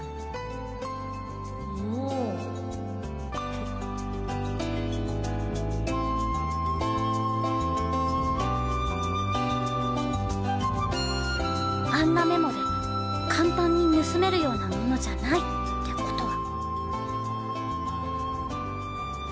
おっあんなメモで簡単に盗めるようなものじゃないってことは